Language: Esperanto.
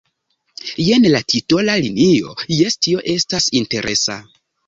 Jen la titola linio — jes, tio estas interesa!